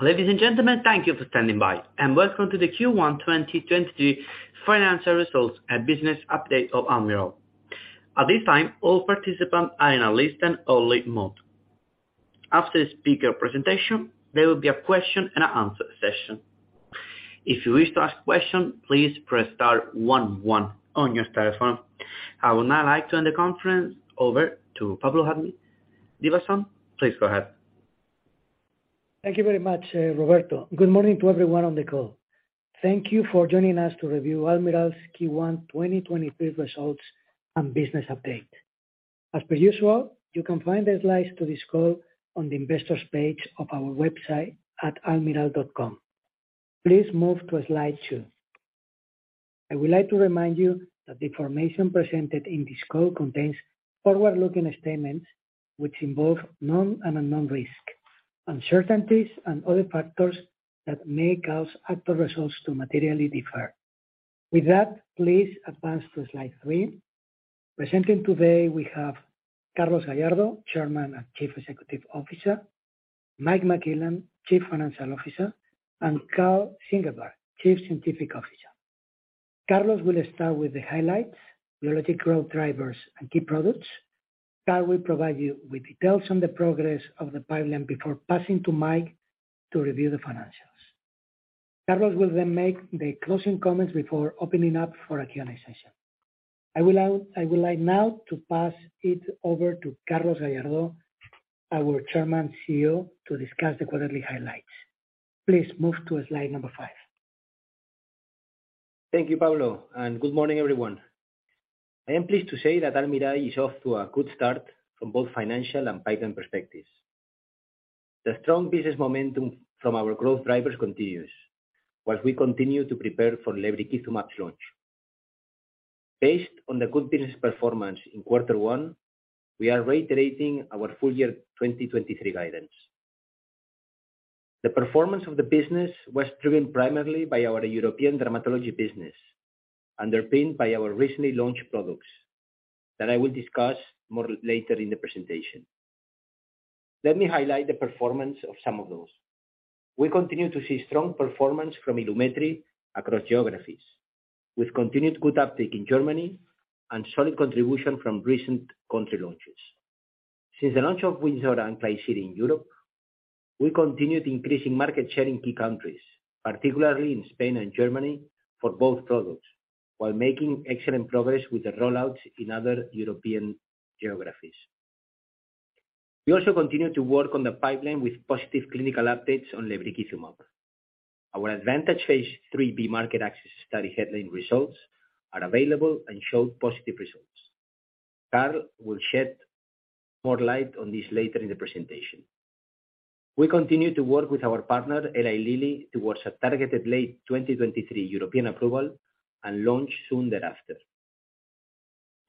Ladies and gentlemen, thank you for standing by, welcome to the Q1 2023 financial results and business update of Almirall. At this time, all participants are in a listen-only mode. After the speaker presentation, there will be a question and answer session. If you wish to ask question, please press star one one on your telephone. I would now like to turn the conference over to Pablo Divasson. Please go ahead. Thank you very much, Roberto. Good morning to everyone on the call. Thank you for joining us to review Almirall's Q1 2023 results and business update. As per usual, you can find the slides to this call on the investors page of our website at almirall.com. Please move to slide two. I would like to remind you that the information presented in this call contains forward-looking statements, which involve known and unknown risk, uncertainties, and other factors that may cause actual results to materially differ. With that, please advance to slide three. Presenting today we have Carlos Gallardo, Chairman and Chief Executive Officer, Mike McClellan, Chief Financial Officer, and Karl Ziegelbauer, Chief Scientific Officer. Carlos will start with the highlights, biologic growth drivers, and key products. Karl will provide you with details on the progress of the pipeline before passing to Mike to review the financials. Carlos will make the closing comments before opening up for a Q&A session. I will like now to pass it over to Carlos Gallardo, our Chairman CEO, to discuss the quarterly highlights. Please move to slide number five. Thank you, Pablo. Good morning, everyone. I am pleased to say that Almirall is off to a good start from both financial and pipeline perspectives. The strong business momentum from our growth drivers continues, while we continue to prepare for lebrikizumab launch. Based on the good business performance in quarter one, we are reiterating our full year 2023 guidance. The performance of the business was driven primarily by our European dermatology business, underpinned by our recently launched products, that I will discuss more later in the presentation. Let me highlight the performance of some of those. We continue to see strong performance from Ilumetri across geographies, with continued good uptake in Germany and solid contribution from recent country launches. Since the launch of Wynzora and Klisyri in Europe, we continued increasing market share in key countries, particularly in Spain and Germany for both products, while making excellent progress with the rollouts in other European geographies. We also continued to work on the pipeline with positive clinical updates on lebrikizumab. Our ADvantage phase IIIb market access study headline results are available and showed positive results. Karl will shed more light on this later in the presentation. We continue to work with our partner, Eli Lilly, towards a targeted late 2023 European approval. Launch soon thereafter.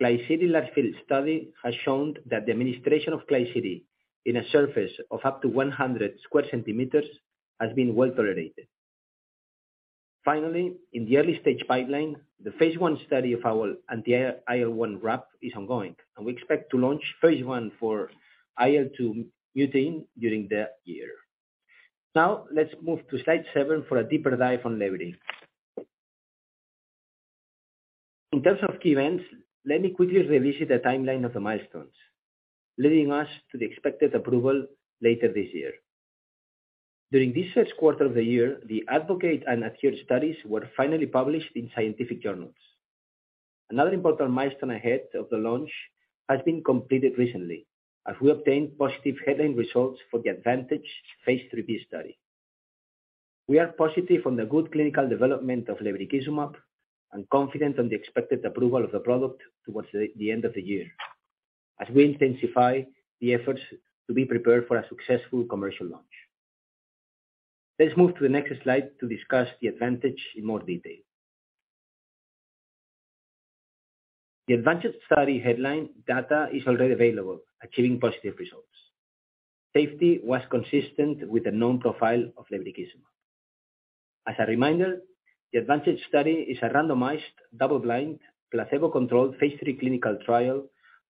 Klisyri last field study has shown that the administration of Klisyri in a surface of up to 100 sq cm has been well tolerated. Finally, in the early stage pipeline, the phase I study of our anti-IL-1RAP is ongoing, and we expect to launch phase I for IL-2 mutein during the year. Let's move to slide seven for a deeper dive on Lebrik. In terms of key events, let me quickly revisit the timeline of the milestones, leading us to the expected approval later this year. During this first quarter of the year, the ADvocate and ADhere studies were finally published in scientific journals. Another important milestone ahead of the launch has been completed recently, as we obtained positive headline results for the ADvantage phase IIIb study. We are positive on the good clinical development of lebrikizumab, and confident on the expected approval of the product towards the end of the year, as we intensify the efforts to be prepared for a successful commercial launch. Let's move to the next slide to discuss the ADvantage in more detail. The ADvantage study headline data is already available, achieving positive results. Safety was consistent with the known profile of lebrikizumab. As a reminder, the ADvantage study is a randomized, double-blind, placebo-controlled phase III clinical trial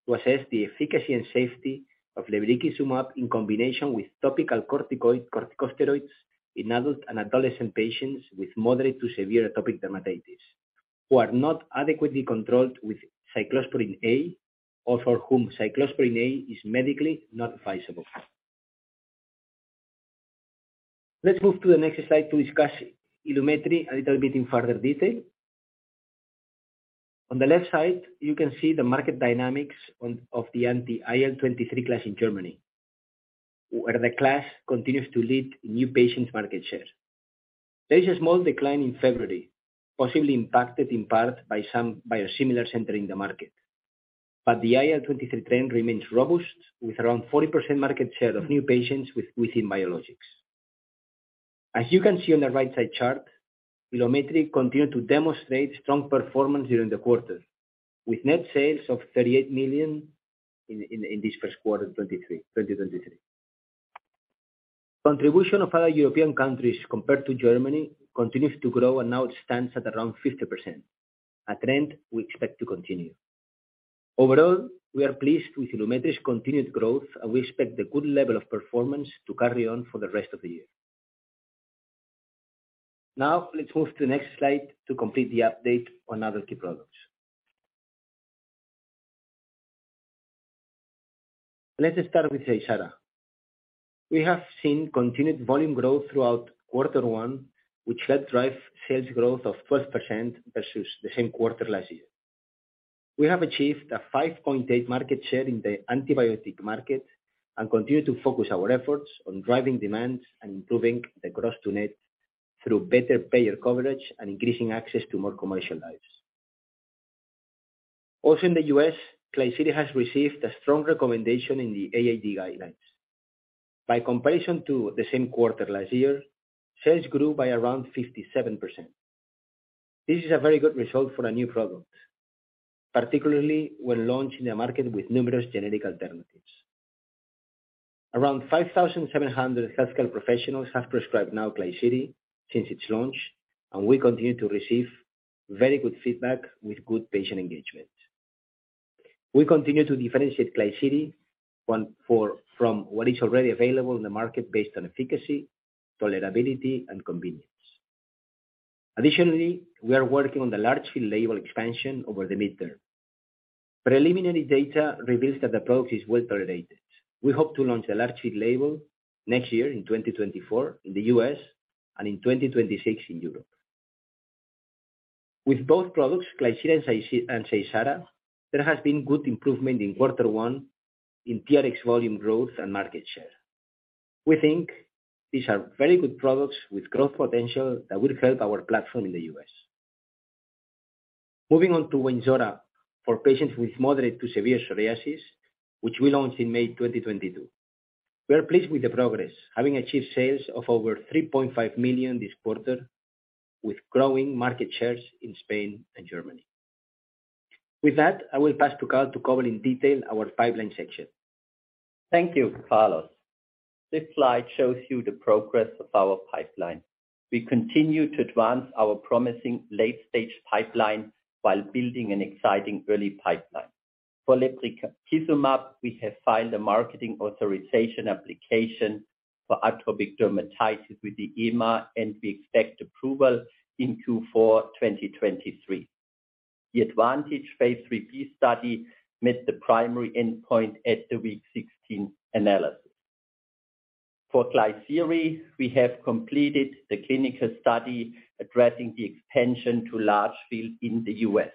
to assess the efficacy and safety of lebrikizumab in combination with topical corticosteroids in adult and adolescent patients with moderate to severe atopic dermatitis who are not adequately controlled with cyclosporine A, or for whom cyclosporine A is medically not advisable. Let's move to the next slide to discuss Ilumetri a little bit in further detail. On the left side, you can see the market dynamics of the anti-IL-23 class in Germany, where the class continues to lead in new patients market share. There is a small decline in February, possibly impacted in part by some biosimilars entering the market. The IL-23 trend remains robust, with around 40% market share of new patients within biologics. As you can see on the right side chart, Ilumetri continued to demonstrate strong performance during the quarter, with net sales of 38 million in this first quarter 2023. Contribution of other European countries compared to Germany continues to grow and now stands at around 50%, a trend we expect to continue. Overall, we are pleased with Ilumetri's continued growth, and we expect the good level of performance to carry on for the rest of the year. Let's move to the next slide to complete the update on other key products. Let's start with Seysara. We have seen continued volume growth throughout quarter one, which helped drive sales growth of 12% versus the same quarter last year. We have achieved a 5.8 market share in the antibiotic market and continue to focus our efforts on driving demand and improving the gross to net through better payer coverage and increasing access to more commercial lives. In the U.S., Klisyri has received a strong recommendation in the AAD guidelines. By comparison to the same quarter last year, sales grew by around 57%. This is a very good result for a new product, particularly when launched in a market with numerous generic alternatives. Around 5,700 healthcare professionals have prescribed now Klisyri since its launch, and we continue to receive very good feedback with good patient engagement. We continue to differentiate Klisyri from what is already available in the market based on efficacy, tolerability, and convenience. Additionally, we are working on the large field label expansion over the midterm. Preliminary data reveals that the product is well-tolerated. We hope to launch a large field label next year in 2024 in the U.S. and in 2026 in Europe. With both products, Klisyri and Seysara, there has been good improvement in quarter one in TRx volume growth and market share. We think these are very good products with growth potential that will help our platform in the U.S. Moving on to Wynzora for patients with moderate to severe psoriasis, which we launched in May 2022. We are pleased with the progress, having achieved sales of over 3.5 million this quarter, with growing market shares in Spain and Germany. I will pass to Karl to cover in detail our pipeline section. Thank you, Carlos. This slide shows you the progress of our pipeline. We continue to advance our promising late-stage pipeline while building an exciting early pipeline. For lebrikizumab, we have filed a marketing authorization application for atopic dermatitis with the EMA, and we expect approval in Q4 2023. The ADvantage phase IIIb study met the primary endpoint at the week 16 analysis. For Klisyri, we have completed the clinical study addressing the extension to large field in the U.S.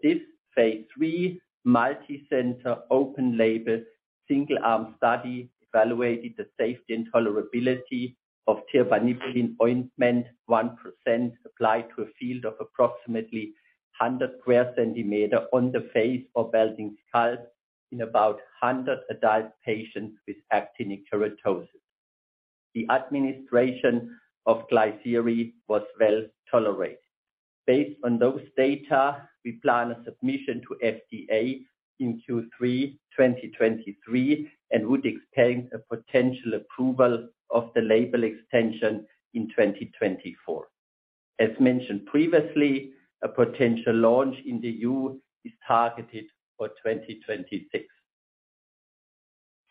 This phase III multi-center open label single arm study evaluated the safety and tolerability of tirbanibulin ointment 1% applied to a field of approximately 100 square centimeters on the face or balding scalp in about 100 adult patients with actinic keratosis. The administration of Klisyri was well tolerated. Based on those data, we plan a submission to FDA in Q3 2023 and would expect a potential approval of the label extension in 2024. As mentioned previously, a potential launch in the EU is targeted for 2026.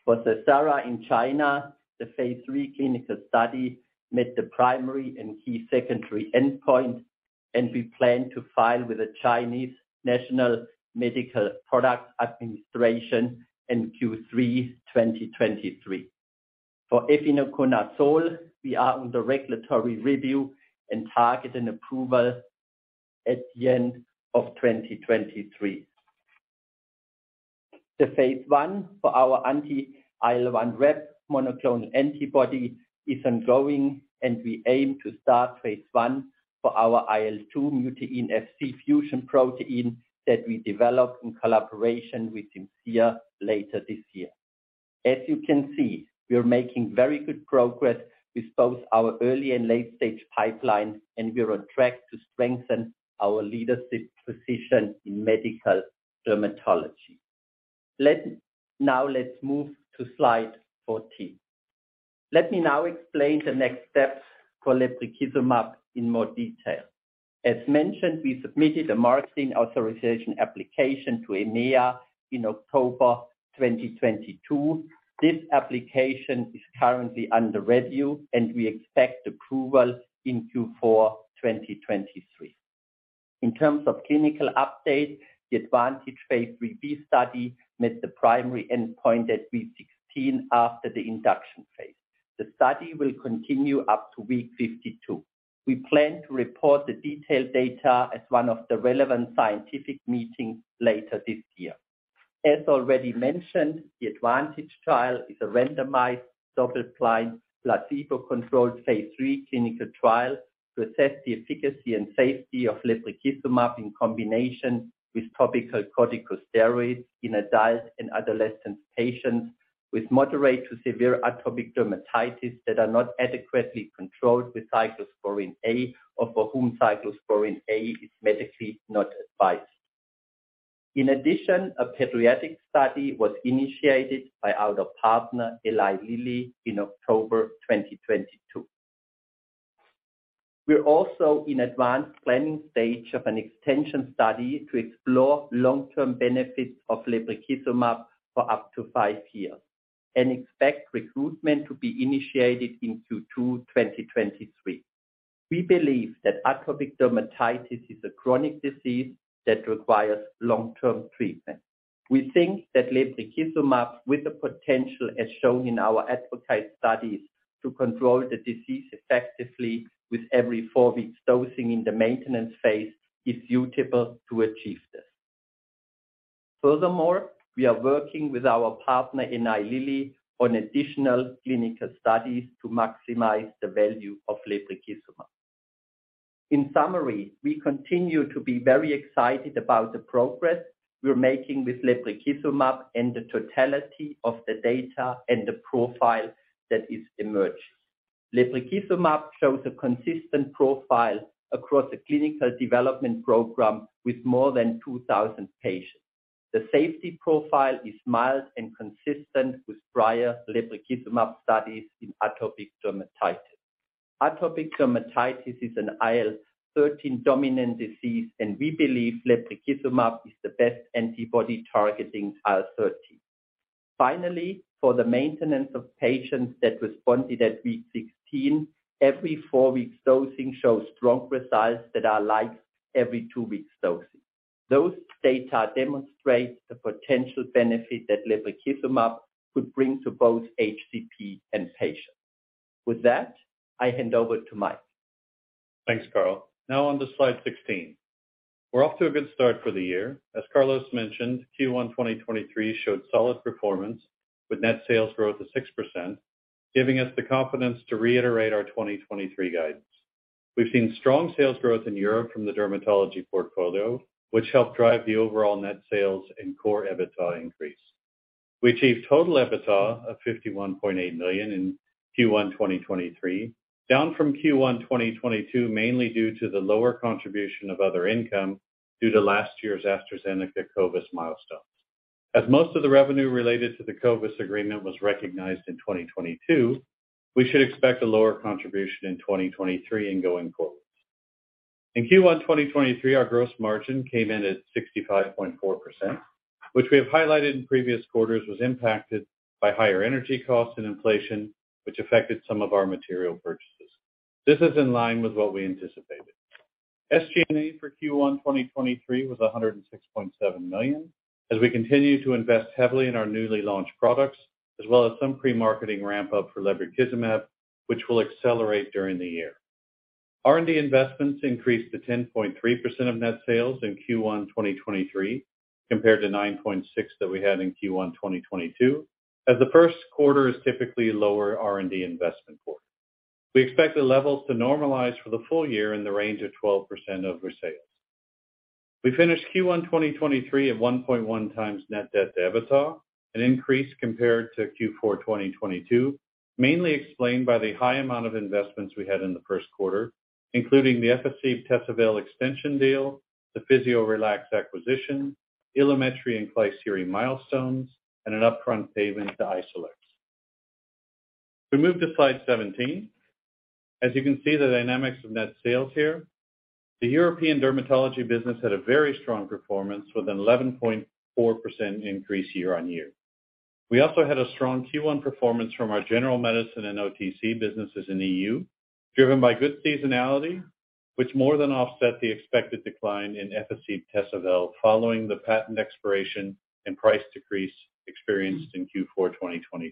For Seysara in China, the phase III clinical study met the primary and key secondary endpoint. We plan to file with the National Medical Products Administration in Q3 2023. For efinaconazole, we are under regulatory review and target an approval at the end of 2023. The phase I for our anti-IL-1RAP monoclonal antibody is ongoing. We aim to start phase I for our IL-2 mutein Fc fusion protein that we develop in collaboration with Simcere later this year. As you can see, we are making very good progress with both our early and late-stage pipeline, and we are on track to strengthen our leadership position in medical dermatology. Now let's move to slide 14. Let me now explain the next steps for lebrikizumab in more detail. As mentioned, we submitted a marketing authorisation application to EMA in October 2022. This application is currently under review, and we expect approval in Q4 2023. In terms of clinical update, the ADvantage phase IIIb study met the primary endpoint at week 16 after the induction phase. The study will continue up to week 52. We plan to report the detailed data at one of the relevant scientific meetings later this year. As already mentioned, the ADvantage trial is a randomized, double-blind, placebo-controlled, phase III clinical trial to assess the efficacy and safety of lebrikizumab in combination with topical corticosteroids in adult and adolescent patients with moderate to severe atopic dermatitis that are not adequately controlled with cyclosporine A or for whom cyclosporine A is medically not advised. In addition, a pediatric study was initiated by our partner, Eli Lilly, in October 2022. We're also in advanced planning stage of an extension study to explore long-term benefits of lebrikizumab for up to five years and expect recruitment to be initiated in Q2 2023. We believe that atopic dermatitis is a chronic disease that requires long-term treatment. We think that lebrikizumab, with the potential as shown in our ADvocate studies to control the disease effectively with every four weeks dosing in the maintenance phase, is suitable to achieve this. Furthermore, we are working with our partner in Eli Lilly on additional clinical studies to maximize the value of lebrikizumab. In summary, we continue to be very excited about the progress we're making with lebrikizumab and the totality of the data and the profile that is emerging. Lebrikizumab shows a consistent profile across the clinical development program with more than 2,000 patients. The safety profile is mild and consistent with prior lebrikizumab studies in atopic dermatitis. Atopic dermatitis is an IL-13 dominant disease, and we believe lebrikizumab is the best antibody targeting IL-13. Finally, for the maintenance of patients that responded at week 16, every four weeks dosing shows strong response that are like every two weeks dosing. Those data demonstrate the potential benefit that lebrikizumab could bring to both HCP and patients. With that, I hand over to Mike. Thanks, Karl. On to slide 16. We're off to a good start for the year. As Carlos mentioned, Q1 2023 showed solid performance with net sales growth of 6%, giving us the confidence to reiterate our 2023 guidance. We've seen strong sales growth in Europe from the dermatology portfolio, which helped drive the overall net sales and core EBITDA increase. We achieved total EBITDA of 51.8 million in Q1 2023, down from Q1 2022, mainly due to the lower contribution of other income due to last year's AstraZeneca Covis milestones. Most of the revenue related to the Covis agreement was recognized in 2022, we should expect a lower contribution in 2023 and going forward. In Q1 2023, our gross margin came in at 65.4%, which we have highlighted in previous quarters was impacted by higher energy costs and inflation, which affected some of our material purchases. This is in line with what we anticipated. SG&A for Q1 2023 was 106.7 million, as we continue to invest heavily in our newly launched products, as well as some pre-marketing ramp-up for lebrikizumab, which will accelerate during the year. R&D investments increased to 10.3% of net sales in Q1 2023, compared to 9.6% that we had in Q1 2022, as the first quarter is typically a lower R&D investment quarter. We expect the levels to normalize for the full year in the range of 12% of our sales. We finished Q1 2023 at 1.1x net debt to EBITDA, an increase compared to Q4 2022, mainly explained by the high amount of investments we had in the first quarter, including the Efficib/Tesavel extension deal, the Physiorelax acquisition, Ilumetri and Klisyri milestones, and an upfront payment to Isolex. We move to slide 17. As you can see, the dynamics of net sales here. The European dermatology business had a very strong performance with an 11.4% increase year-over-year. We also had a strong Q1 performance from our general medicine and OTC businesses in EU, driven by good seasonality, which more than offset the expected decline in Efficib/Tesavel following the patent expiration and price decrease experienced in Q4 2022.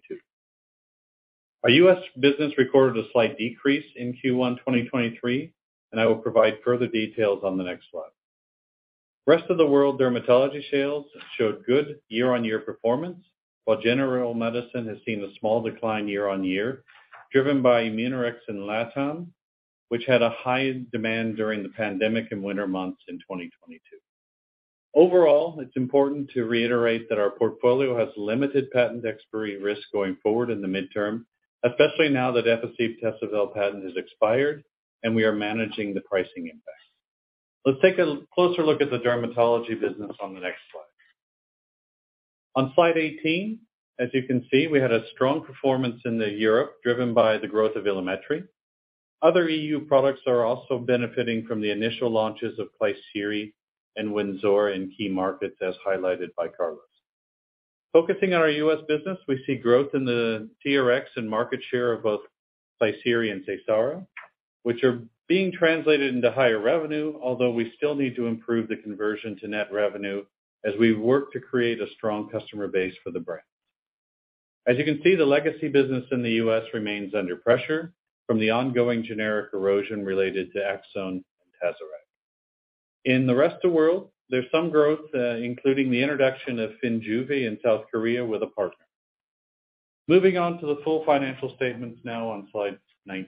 Our U.S. business recorded a slight decrease in Q1 2023, and I will provide further details on the next slide. Rest of the world dermatology sales showed good year-on-year performance, while general medicine has seen a small decline year-on-year, driven by Immunorex in LATAM, which had a high demand during the pandemic and winter months in 2022. Overall, it's important to reiterate that our portfolio has limited patent expiry risk going forward in the midterm, especially now that Efficib/Tesavel patent has expired and we are managing the pricing impact. Let's take a closer look at the dermatology business on the next slide. On slide 18, as you can see, we had a strong performance in Europe, driven by the growth of Ilumetri. Other EU products are also benefiting from the initial launches of Klisyri and Wynzora in key markets as highlighted by Carlos. Focusing on our U.S. business, we see growth in the TRx and market share of both Klisyri and Seysara, which are being translated into higher revenue, although we still need to improve the conversion to net revenue as we work to create a strong customer base for the brands. As you can see, the legacy business in the U.S. remains under pressure from the ongoing generic erosion related to Aczone and Tazorac. In the rest of world, there's some growth, including the introduction of Finjuve in South Korea with a partner. Moving on to the full financial statements now on slide 19.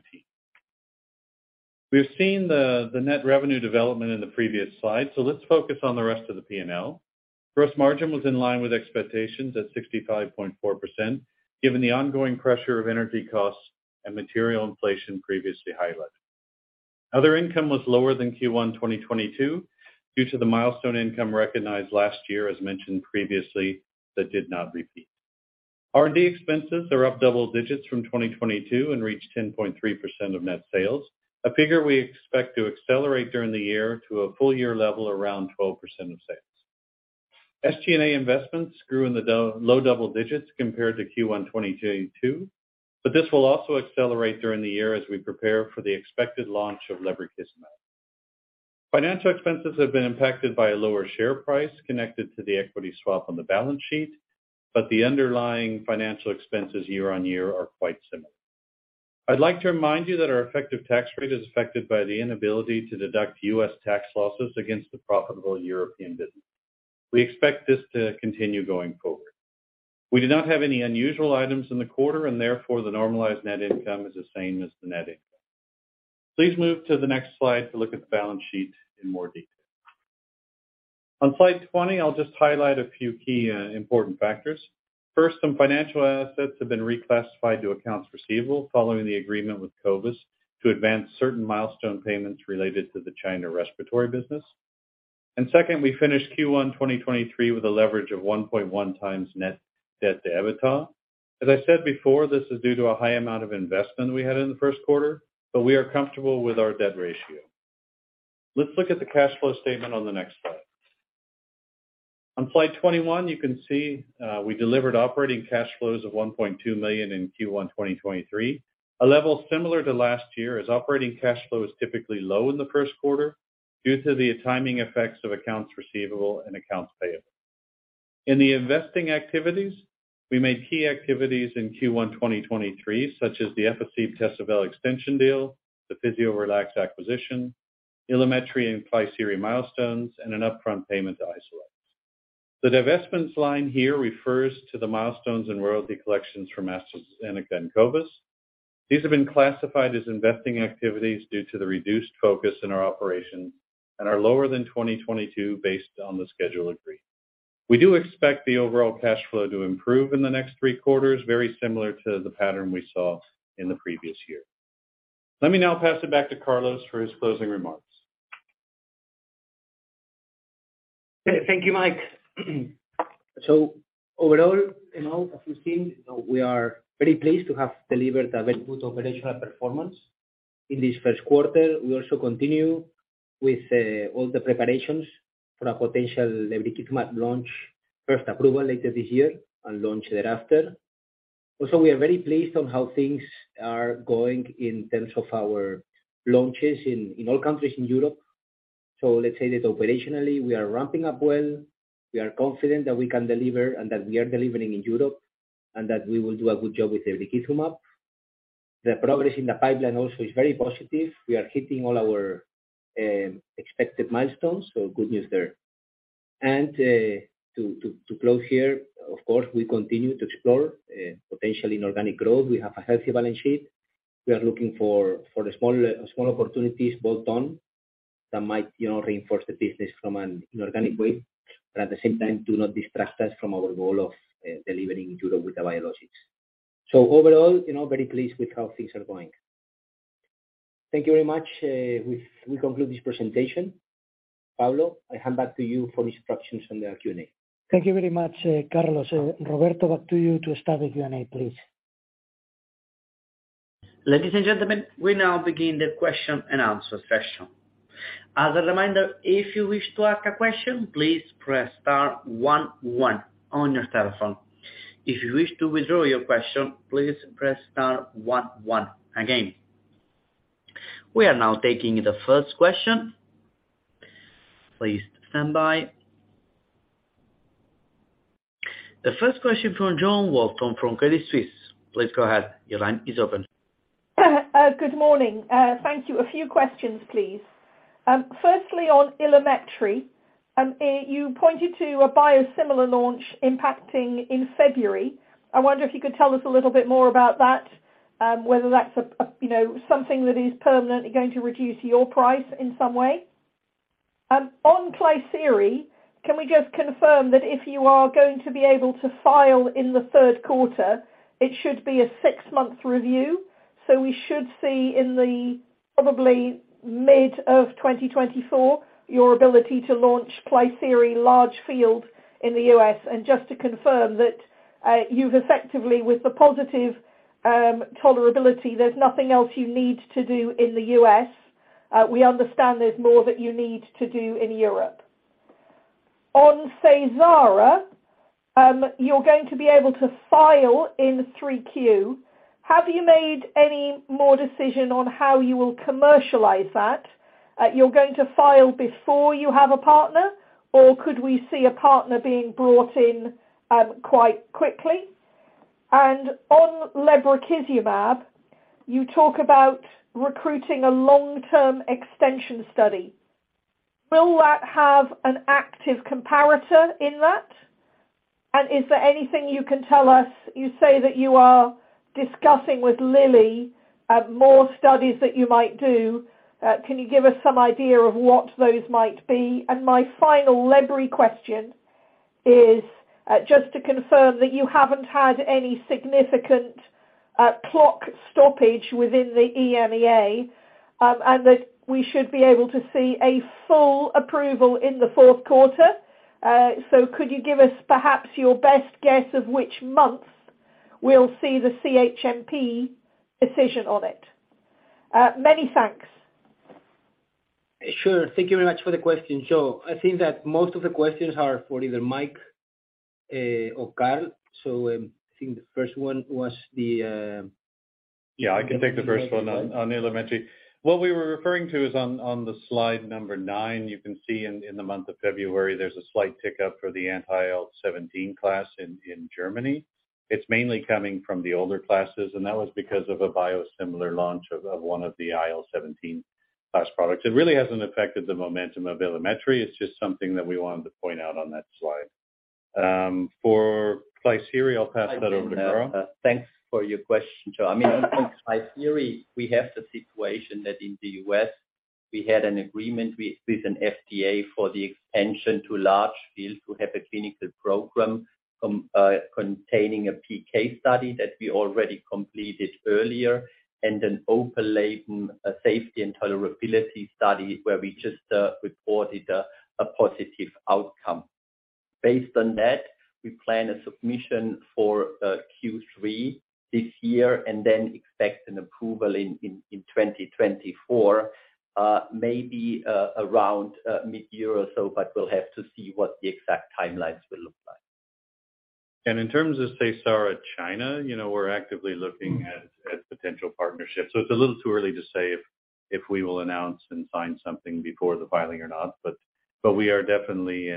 We've seen the net revenue development in the previous slide, let's focus on the rest of the P&L. Gross margin was in line with expectations at 65.4%, given the ongoing pressure of energy costs and material inflation previously highlighted. Other income was lower than Q1 2022 due to the milestone income recognized last year, as mentioned previously, that did not repeat. R&D expenses are up double digits from 2022 and reached 10.3% of net sales, a figure we expect to accelerate during the year to a full year level around 12% of sales. SG&A investments grew in the low double digits compared to Q1 2022, this will also accelerate during the year as we prepare for the expected launch of lebrikizumab. Financial expenses have been impacted by a lower share price connected to the equity swap on the balance sheet, the underlying financial expenses year-over-year are quite similar. I'd like to remind you that our effective tax rate is affected by the inability to deduct U.S. tax losses against the profitable European business. We expect this to continue going forward. We do not have any unusual items in the quarter, therefore, the normalized net income is the same as the net income. Please move to the next slide to look at the balance sheet in more detail. On slide 20, I'll just highlight a few key important factors. First, some financial assets have been reclassified to accounts receivable following the agreement with Covis to advance certain milestone payments related to the China respiratory business. Second, we finished Q1 2023 with a leverage of 1.1x net debt to EBITDA. As I said before, this is due to a high amount of investment we had in the first quarter, we are comfortable with our debt ratio. Let's look at the cash flow statement on the next slide. On slide 21, you can see, we delivered operating cash flows of 1.2 million in Q1 2023, a level similar to last year, as operating cash flow is typically low in the first quarter due to the timing effects of accounts receivable and accounts payable. In the investing activities, we made key activities in Q1 2023, such as the Efficib/Tesavel extension deal, the Physiorelax acquisition, Ilumetri and Klisyri milestones, and an upfront payment to Isolex. The divestments line here refers to the milestones and royalty collections from AstraZeneca and Covis. These have been classified as investing activities due to the reduced focus in our operations and are lower than 2022 based on the schedule agreed. We do expect the overall cash flow to improve in the next three quarters, very similar to the pattern we saw in the previous year. Let me now pass it back to Carlos for his closing remarks. Thank you, Mike. Overall, you know, as you've seen, we are very pleased to have delivered a very good operational performance in this first quarter. We also continue with all the preparations for a potential lebrikizumab launch, first approval later this year and launch thereafter. We are very pleased on how things are going in terms of our launches in all countries in Europe. Let's say that operationally we are ramping up well. We are confident that we can deliver and that we are delivering in Europe, and that we will do a good job with lebrikizumab. The progress in the pipeline also is very positive. We are hitting all our expected milestones, so good news there. To close here, of course, we continue to explore potentially inorganic growth. We have a healthy balance sheet. We are looking for small opportunities built on that might, you know, reinforce the business from an inorganic way, but at the same time, do not distract us from our goal of delivering in Europe with the biologics. Overall, you know, very pleased with how things are going. Thank you very much. We conclude this presentation. Pablo, I hand back to you for instructions on the Q&A. Thank you very much, Carlos. Roberto, back to you to start the Q&A, please. Ladies and gentlemen, we now begin the question and answer session. As a reminder, if you wish to ask a question, please press star one one on your telephone. If you wish to withdraw your question, please press star one one again. We are now taking the first question. Please stand by. The first question from Jo Walton from Credit Suisse. Please go ahead. Your line is open. Good morning. Thank you. A few questions, please. Firstly, on Ilumetri, you pointed to a biosimilar launch impacting in February. I wonder if you could tell us a little bit more about that, whether that's a, you know, something that is permanently going to reduce your price in some way. On Klisyri, can we just confirm that if you are going to be able to file in the third quarter, it should be a six-month review? We should see in the probably mid-2024 your ability to launch Klisyri large field in the U.S. Just to confirm that you've effectively, with the positive tolerability, there's nothing else you need to do in the U.S. We understand there's more that you need to do in Europe. On Seysara, you're going to be able to file in 3Q. Have you made any more decision on how you will commercialize that? You're going to file before you have a partner, or could we see a partner being brought in quite quickly? On lebrikizumab, you talk about recruiting a long-term extension study. Will that have an active comparator in that? Is there anything you can tell us? You say that you are discussing with Lilly of more studies that you might do. Can you give us some idea of what those might be? My final Lebrik question is just to confirm that you haven't had any significant Clock stoppage within the EMA, and that we should be able to see a full approval in the fourth quarter. Could you give us perhaps your best guess of which month we'll see the CHMP decision on it? Many thanks. Sure. Thank you very much for the question, Jo. I think that most of the questions are for either Mike, or Karl. I think the first one was. Yeah, I can take the first one on Ilumetri. What we were referring to is on the slide number nine, you can see in the month of February, there's a slight tick up for the anti-IL-17 class in Germany. That was because of a biosimilar launch of one of the IL-17 class products. It really hasn't affected the momentum of Ilumetri. It's just something that we wanted to point out on that slide. For Physiorelax, I'll pass that over to Karl. Thanks for your question, Jo. I mean, on Klisyri, we have the situation that in the U.S., we had an agreement with an FDA for the extension to large field to have a clinical program containing a PK study that we already completed earlier, and an open label safety and tolerability study where we just reported a positive outcome. Based on that, we plan a submission for Q3 this year and then expect an approval in 2024, maybe around mid-year or so, but we'll have to see what the exact timelines will look like. In terms of Seysara China, you know, we're actively looking at potential partnerships. It's a little too early to say if we will announce and sign something before the filing or not. We are definitely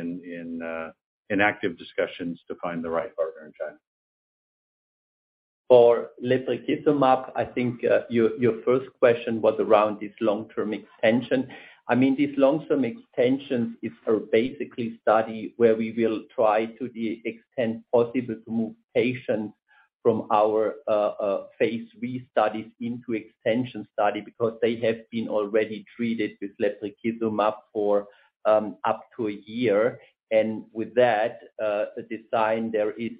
in active discussions to find the right partner in China. For lebrikizumab, I think, your first question was around this long-term extension. I mean, this long-term extension is a basically study where we will try to the extent possible to move patients from our phase III studies into extension study because they have been already treated with lebrikizumab for up to a year. With that design, there is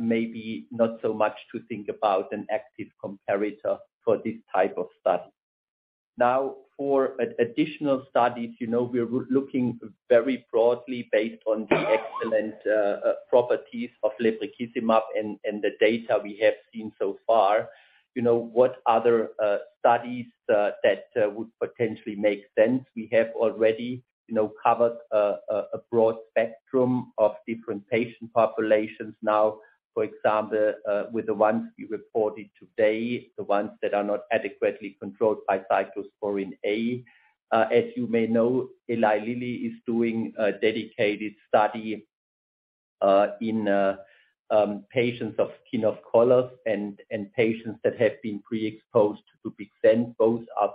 maybe not so much to think about an active comparator for this type of study. For additional studies, you know, we're looking very broadly based on the excellent properties of lebrikizumab and the data we have seen so far. You know, what other studies that would potentially make sense? We have already, you know, covered a broad spectrum of different patient populations now, for example, with the ones we reported today, the ones that are not adequately controlled by cyclosporine A. As you may know, Eli Lilly is doing a dedicated study in patients of skin of color and patients that have been pre-exposed to Dupixent. Both, I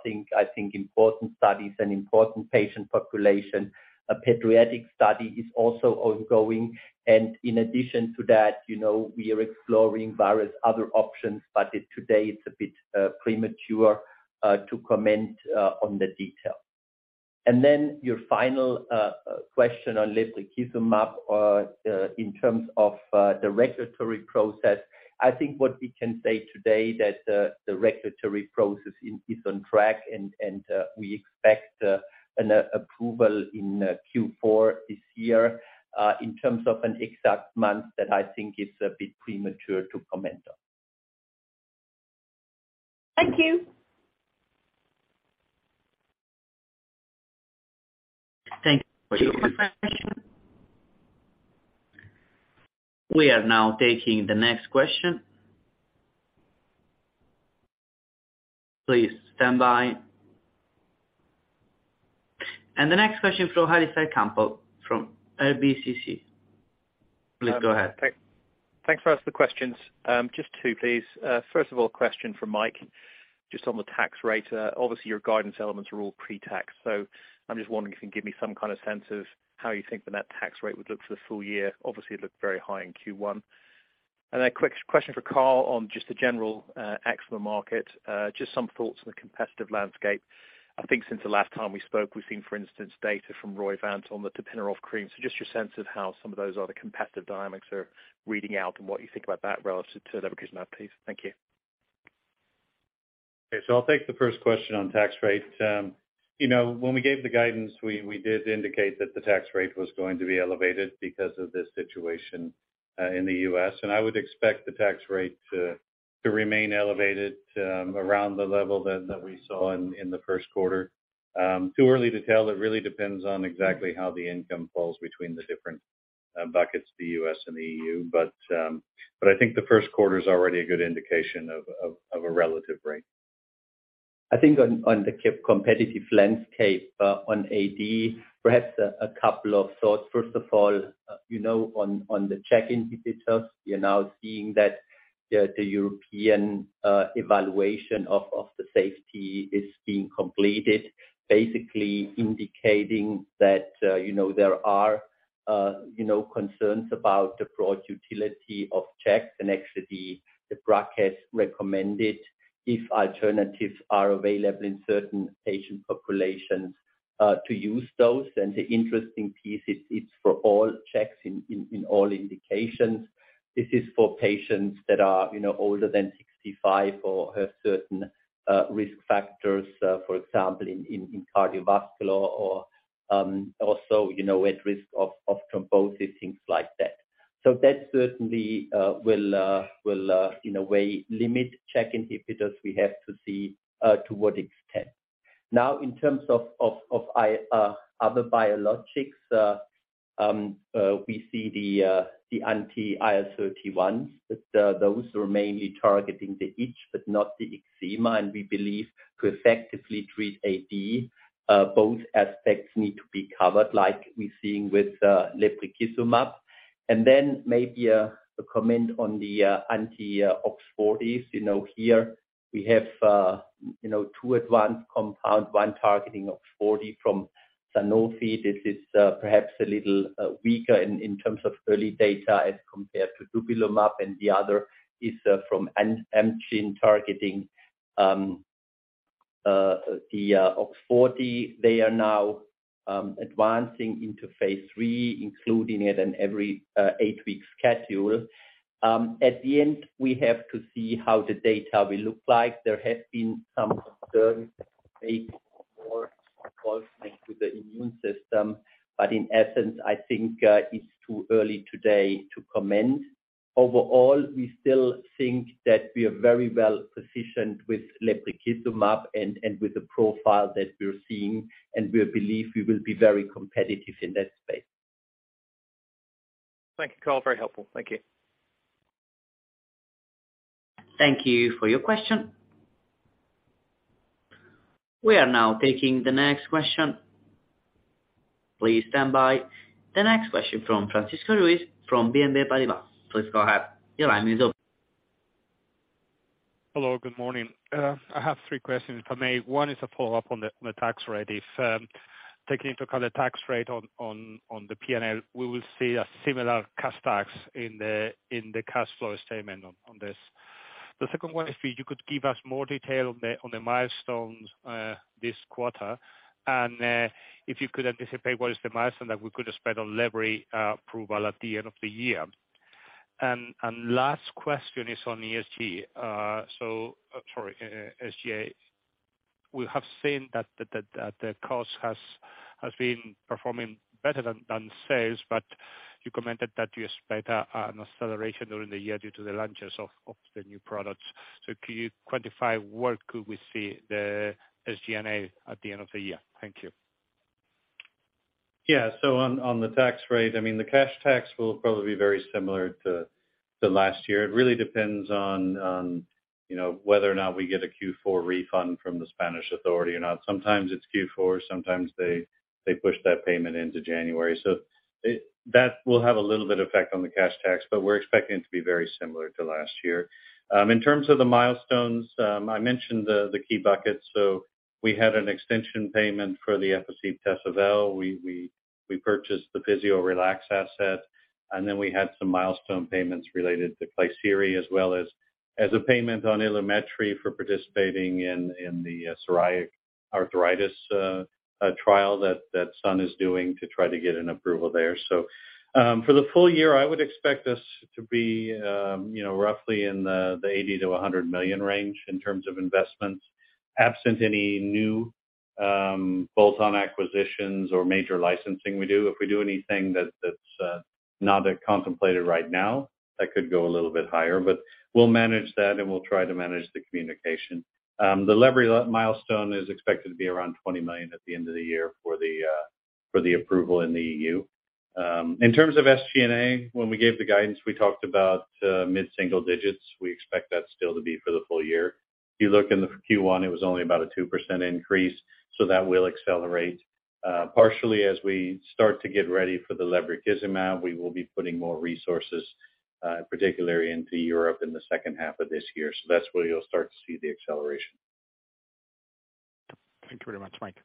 think, important studies and important patient population. A pediatric study is also ongoing. In addition to that, you know, we are exploring various other options, but today it's a bit premature to comment on the detail. Your final question on lebrikizumab in terms of the regulatory process. I think what we can say today that the regulatory process is on track and we expect an approval in Q4 this year. In terms of an exact month, that I think is a bit premature to comment on. Thank you. Thank you. We are now taking the next question. Please stand by. The next question from Alistair Campbell from RBC. Please go ahead. Thanks for answering the questions. Just two, please. First of all, a question for Mike, just on the tax rate. Obviously, your guidance elements are all pre-tax. I'm just wondering if you can give me some kind of sense of how you think the net tax rate would look for the full year. Obviously, it looked very high in Q1. A quick question for Karl on just the general eczema market, just some thoughts on the competitive landscape. I think since the last time we spoke, we've seen, for instance, data from Roivant on the tapinarof cream. Just your sense of how some of those other competitive dynamics are reading out and what you think about that relative to lebrikizumab, please. Thank you. I'll take the first question on tax rate. You know, when we gave the guidance, we did indicate that the tax rate was going to be elevated because of this situation in the U.S. I would expect the tax rate to remain elevated around the level that we saw in the first quarter. Too early to tell. It really depends on exactly how the income falls between the different buckets, the U.S. and EU. I think the first quarter is already a good indication of a relative rate. I think on the competitive landscape, on AD, perhaps a couple of thoughts. First of all, you know, on the JAK inhibitors, we are now seeing that the European evaluation of the safety is being completed, basically indicating that, you know, there are, you know, concerns about the broad utility of check, and actually the bracket recommended If alternatives are available in certain patient populations, to use those. The interesting piece is it's for all checks in all indications. This is for patients that are, you know, older than 65 or have certain risk factors, for example, in cardiovascular or also, you know, at risk of thrombosis, things like that. That certainly will in a way limit JAK inhibitors. We have to see to what extent. Now, in terms of other biologics, we see the anti-IL-31, but those are mainly targeting the itch but not the eczema. We believe to effectively treat AD, both aspects need to be covered like we're seeing with lebrikizumab. Maybe a comment on the anti-OX40. You know, here we have, you know, two advanced compound, one targeting OX40 from Sanofi. This is perhaps a little weaker in terms of early data as compared to dupilumab, and the other is from an Amgen targeting the OX40. They are now advancing into phase III, including it in every eight week schedule. At the end, we have to see how the data will look like. There have been some concerns, maybe more involving to the immune system, but in essence, I think, it's too early today to comment. Overall, we still think that we are very well-positioned with lebrikizumab and with the profile that we're seeing, and we believe we will be very competitive in that space. Thank you, Karl. Very helpful. Thank you. Thank you for your question. We are now taking the next question. Please stand by. The next question from Francisco Ruiz from BNP Paribas. Please go ahead. Your line is open. Hello, good morning. I have three questions, if I may. One is a follow-up on the tax rate. If, taking into account the tax rate on the P&L, we will see a similar cash tax in the cash flow statement on this. The second one is if you could give us more detail on the milestones this quarter, and if you could anticipate what is the milestone that we could expect on lebrikizumab approval at the end of the year. Last question is on ESG. Sorry, SG&A. We have seen that the cost has been performing better than sales, but you commented that you expect an acceleration during the year due to the launches of the new products. Could you quantify where could we see the SG&A at the end of the year? Thank you. Yeah. On the tax rate, I mean, the cash tax will probably be very similar to last year. It really depends on, you know, whether or not we get a Q4 refund from the Spanish authority or not. Sometimes it's Q4, sometimes they push that payment into January. That will have a little bit of effect on the cash tax, but we're expecting it to be very similar to last year. In terms of the milestones, I mentioned the key buckets. We had an extension payment for the Efficib/Tesavel. We purchased the Physiorelax asset, and then we had some milestone payments related to Klisyri as well as a payment on Ilumetri for participating in the psoriatic arthritis trial that Sun Pharma is doing to try to get an approval there. For the full year, I would expect this to be, you know, roughly in the 80 million-100 million range in terms of investments, absent any new bolt-on acquisitions or major licensing we do. If we do anything that's not contemplated right now, that could go a little bit higher, but we'll manage that and we'll try to manage the communication. The lebri milestone is expected to be around 20 million at the end of the year for the approval in the EU. In terms of SG&A, when we gave the guidance, we talked about mid-single digits. We expect that still to be for the full year. If you look in the Q1, it was only about a 2% increase, so that will accelerate. Partially as we start to get ready for the lebrikizumab, we will be putting more resources, particularly into Europe in the second half of this year. That's where you'll start to see the acceleration. Thank you very much, Mike.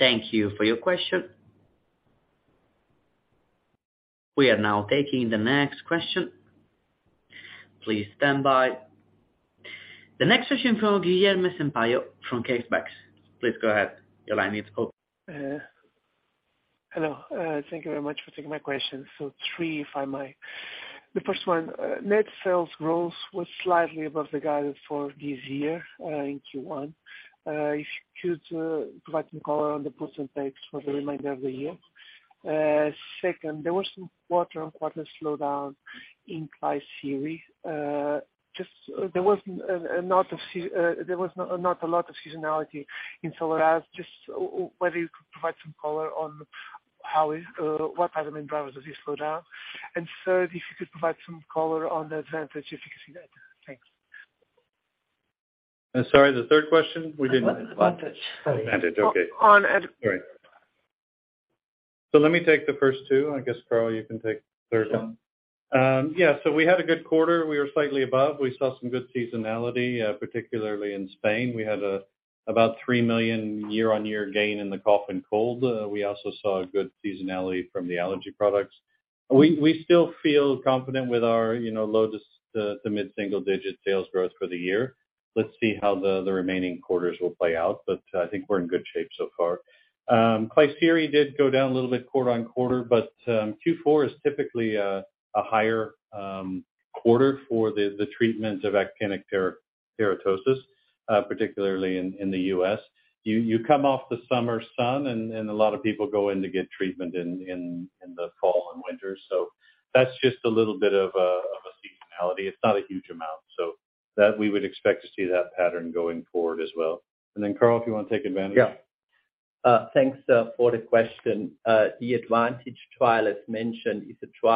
Thank you for your question. We are now taking the next question. Please stand by. The next question from Guilherme Sampaio from CaixaBank. Please go ahead. Your line is open. Hello. Thank you very much for taking my question. Three, if I may. The first one, net sales growth was slightly above the guidance for this year, in Q1. If you could provide some color on the puts and takes for the remainder of the year. Second, there was some quarter-on-quarter slowdown in Klisyri. Just, there was not a lot of seasonality in Solaraze. Just whether you could provide some color on what are the main drivers of this slowdown. Third, if you could provide some color on the ADvantage efficacy data. Thanks. Sorry, the third question? ADvantage. Sorry. ADvantage. Okay. On Advan- Sorry. Let me take the first two. I guess, Karl, you can take the third one. Sure. Yeah. We had a good quarter. We were slightly above. We saw some good seasonality, particularly in Spain. We had about 3 million year-on-year gain in the cough and cold. We also saw a good seasonality from the allergy products. We still feel confident with our, you know, low to mid-single digit sales growth for the year. Let's see how the remaining quarters will play out, but I think we're in good shape so far. Klisyri did go down a little bit quarter on quarter, but Q4 is typically a higher quarter for the treatment of actinic keratosis, particularly in the U.S. You come off the summer sun and a lot of people go in to get treatment in the fall and winter. That's just a little bit of a, of a seasonality. It's not a huge amount. That we would expect to see that pattern going forward as well. Karl, if you want to take ADvantage. Yeah. Thanks for the question. The ADvantage trial, as mentioned, is a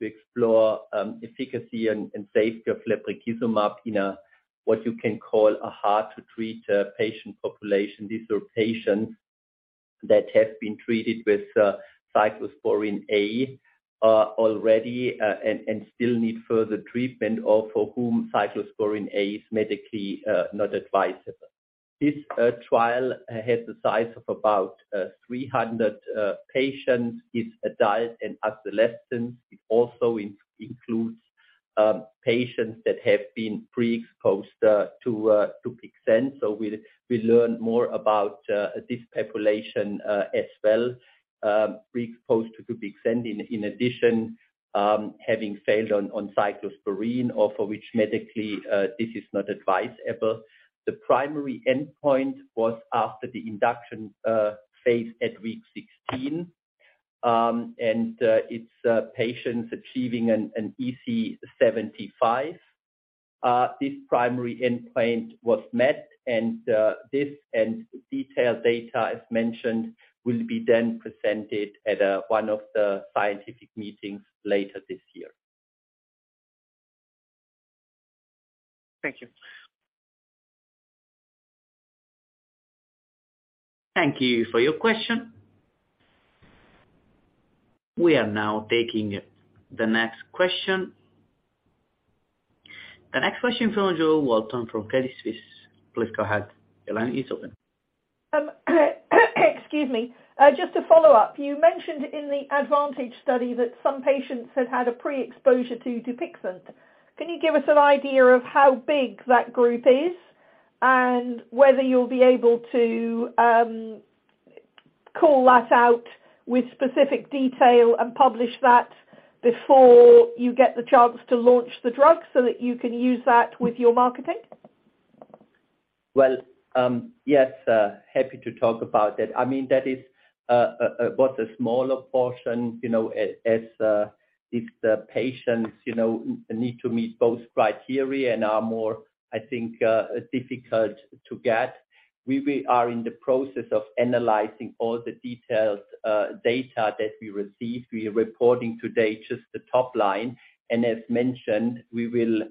trial to explore efficacy and safety of lebrikizumab in a, what you can call a hard-to-treat patient population. These are patients that have been treated with cyclosporine A already and still need further treatment or for whom cyclosporine A is medically not advisable. This trial has the size of about 300 patients. It's adult and adolescents. It also includes patients that have been pre-exposed to Dupixent. we'll learn more about this population as well, pre-exposed to Dupixent in addition, having failed on cyclosporine or for which medically this is not advisable. The primary endpoint was after the induction phase at week 16. It's patients achieving an EASI-75. This primary endpoint was met, and this and detailed data, as mentioned, will be then presented at one of the scientific meetings later this year. Thank you. Thank you for your question. We are now taking the next question. The next question from Jo Walton from Credit Suisse. Please go ahead, your line is open. Excuse me. Just to follow up, you mentioned in the ADvantage study that some patients had had a pre-exposure to Dupixent. Can you give us an idea of how big that group is? Whether you'll be able to call that out with specific detail and publish that before you get the chance to launch the drug so that you can use that with your marketing? Well, yes, happy to talk about that. I mean, that is, was a smaller portion, you know, as, if the patients, you know, need to meet both criteria and are more, I think, difficult to get. We are in the process of analyzing all the detailed data that we received. We are reporting today just the top line. As mentioned, we will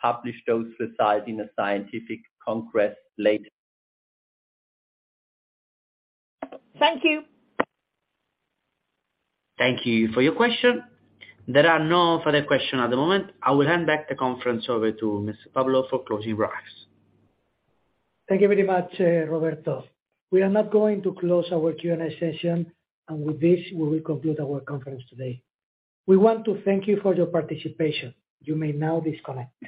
publish those results in a scientific congress later. Thank you. Thank you for your question. There are no further questions at the moment. I will hand back the conference over to Mr. Pablo for closing remarks. Thank you very much, Roberto. We are now going to close our Q&A session, and with this, we will conclude our conference today. We want to thank you for your participation. You may now disconnect.